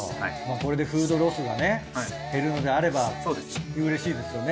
これでフードロスがね減るのであればうれしいですよね。